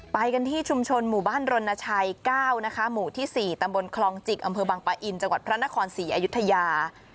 ไปกันที่ชุมชนหมู่บ้านรณชัย๙นะคะหมู่ที่๔ตำบลคลองจิกอำเภอบังปะอินจังหวัดพระนครศรีอยุธยา